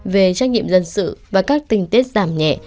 về trách nhiệm dân sự và các tình tiết giảm nhẹ